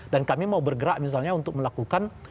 dan kami mau bergerak misalnya untuk melakukan